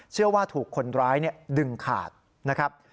เชื่อว่าถูกคนร้ายดึงขาดนะครับ